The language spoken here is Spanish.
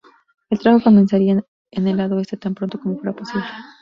El trabajo comenzaría en el lado oeste tan pronto como fuera posible.